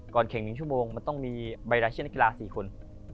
ก่อนแข่ง๑ชั่วโมงมันต้องมีใบรัชน์นักกีฬา๔คน